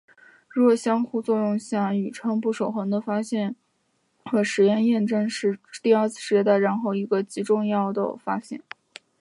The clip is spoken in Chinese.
弱相互作用下宇称不守恒的发现和实验验证是第二次世界大战后一个极重要的发现。